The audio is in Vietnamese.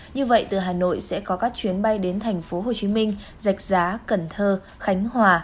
như vậy từ hà nội sẽ có các chuyến bay đến tp hcm rạch giá cần thơ khánh hòa